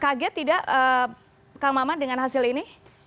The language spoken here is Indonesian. kaget tidak kak mama dengan hasil ini